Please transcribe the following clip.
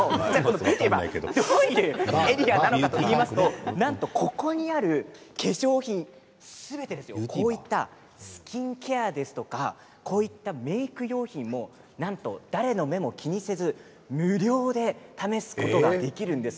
どういうエリアかというと、なんとここにある化粧品にスキンケアですとかメーク用品もなんと誰の目も気にせず無料で楽しく試すことができるんです。